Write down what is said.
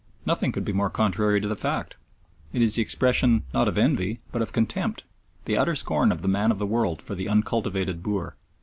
Nothing could be more contrary to the fact. It is the expression, not of envy, but of contempt, the utter scorn of the man of the world for the uncultivated boor.